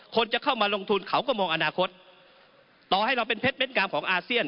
คนจะเข้ามาลงทุนเขาก็มองอนาคตต่อให้เราเป็นเพชรเม้นงามของอาเซียน